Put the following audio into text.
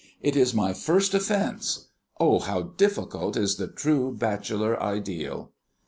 It is my first offence. Oh, how difficult is the true Bachelor Ideal!"